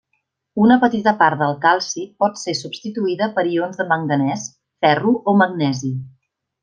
Una petita part del calci pot ser substituïda per ions de manganès, ferro o magnesi.